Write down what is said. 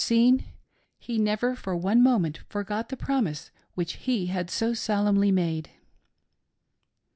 215 seen — ^he never for one moment forgot the promise which he had so solemnly made.